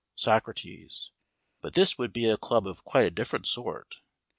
SOCRATES: But this would be a club of quite a different sort.